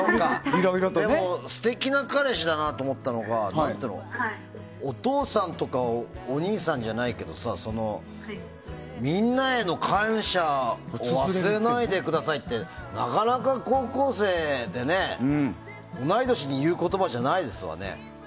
でも、素敵な彼氏だなと思ったのがお父さんとかお兄さんじゃないけどさみんなへの感謝を忘れないでくださいってなかなか、高校生で同い年に言う言葉じゃないですわね。